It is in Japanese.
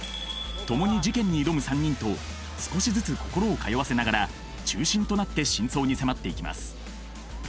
共に事件に挑む３人と少しずつ心を通わせながら中心となって真相に迫っていきます